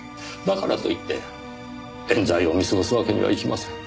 だからといって冤罪を見過ごすわけにはいきません。